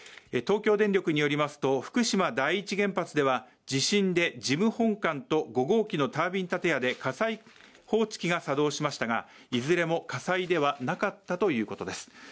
東京電力によりますと、福島第１原発では、地震で事務本館と５号機のタービン建屋で火災報知機が作動しましたが、いずれも火災ではなかったということです